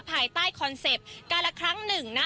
ภายใต้คอนเซ็ปต์การละครั้งหนึ่งนะ